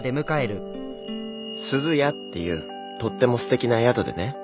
すずやっていうとってもすてきな宿でね。